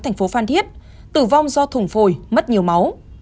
thành phố phan thiết tử vong do thùng phổi mất nhiều máu